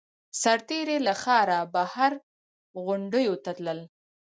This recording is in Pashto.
سرتېري له ښاره بهر غونډیو ته تلل.